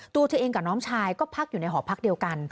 ตัวเธอเองกับน้องชายก็พักอยู่ในหอพักเดียวกัน